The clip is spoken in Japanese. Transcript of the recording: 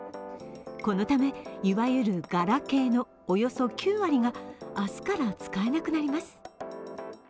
このため、いわゆるガラケーのおよそ９割が明日から使えなくなります。